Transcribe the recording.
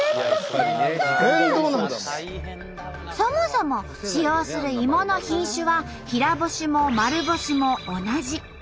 そもそも使用する芋の品種は平干しも丸干しも同じ。